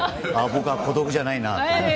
僕は孤独じゃないなって。